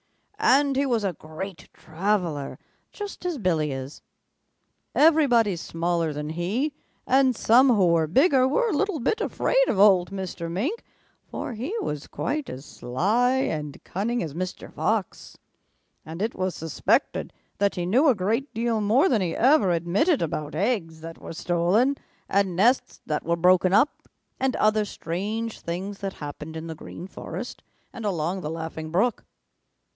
And he was a great traveler, just as Billy is. Everybody smaller than he and some who were bigger were a little bit afraid of old Mr. Mink, for he was quite as sly and cunning as Mr. Fox, and it was suspected that he knew a great deal more than he ever admitted about eggs that were stolen and nests that were broken up, and other strange things that happened in the Green Forest and along the Laughing Brook.